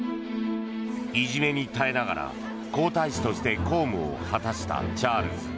いじめに耐えながら皇太子として公務を果たしたチャールズ。